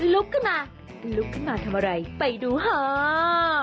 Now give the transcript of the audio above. ลุกขึ้นมาลุกขึ้นมาทำอะไรไปดูค่ะ